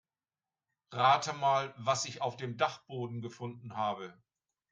Rate mal, was ich auf dem Dachboden gefunden habe.